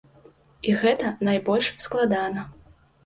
І гэта найбольш складана.